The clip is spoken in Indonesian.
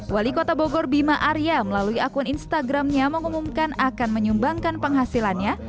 wali kota bogor bima arya melalui akun instagramnya mengumumkan akan menyumbangkan penghasilannya